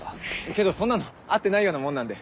けどそんなのあってないようなもんなんで。